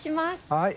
はい。